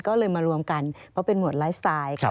ก็เลยมารวมกันเพราะเป็นหมวดไลฟ์สไตล์